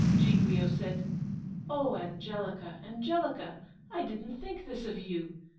Giglio said, "Oh, Angelica, I didn't think this of you.